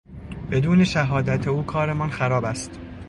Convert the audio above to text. بدون شهادت او کارمان خراب است.